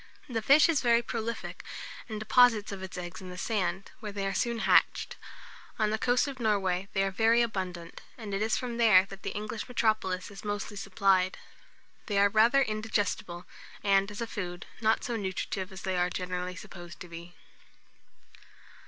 The fish is very prolific, and deposits of its eggs in the sand, where they are soon hatched. On the coast of Norway, they are very abundant, and it is from there that the English metropolis is mostly supplied. They are rather indigestible, and, as a food, not so nurtritive as they are generally supposed to be.